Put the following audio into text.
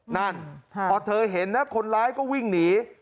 เพราะเธอเห็นนะคนร้ายก็วิ่งหนี